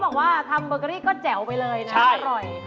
บอกว่าทำเบอร์เกอรี่ก็แจ๋วไปเลยนะอร่อย